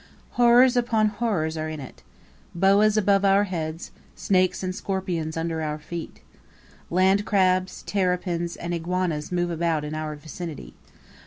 Horrors upon horrors are in it. Boas above our heads, snakes and scorpions under our feet. Land crabs, terrapins, and iguanas move about in our vicinity.